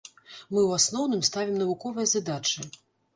Мы ў асноўным ставім навуковыя задачы.